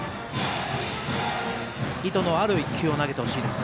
意図のある１球を投げてほしい。